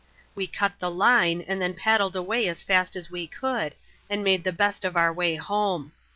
We cut the line, and then paddled away as fast as we could, and made the best of our way home.